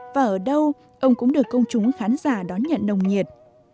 và ở đâu ông cũng được công chúng khán giả đón nhận nồng nhiệt